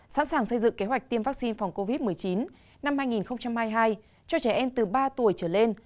sẵn sàng xây dựng kế hoạch tiêm vaccine phòng covid một mươi chín năm hai nghìn hai mươi hai cho trẻ em từ ba tuổi trở lên